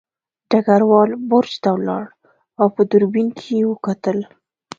ډګروال برج ته لاړ او په دوربین کې یې وکتل